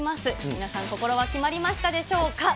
皆さん、心は決まりましたでしょうか。